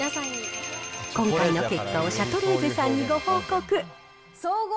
今回の結果をシャトレーゼさんにご報告。